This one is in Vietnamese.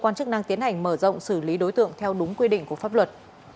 cơ quan chức năng tiến hành mở rộng xử lý đối tượng theo đúng quy định của pháp luật